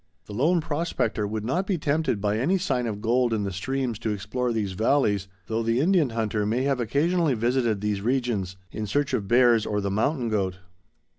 The lone prospector would not be tempted by any sign of gold in the streams to explore these valleys, though the Indian hunter may have occasionally visited these regions in search of bears or the mountain goat.